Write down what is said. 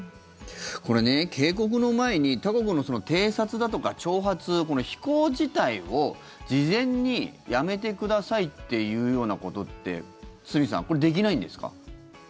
これ、警告の前に他国の偵察だとか挑発、飛行自体を事前にやめてくださいって言うようなことって堤さん、これできないんですか？